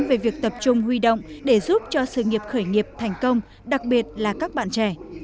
về việc tập trung huy động để giúp cho sự nghiệp khởi nghiệp thành công đặc biệt là các bạn trẻ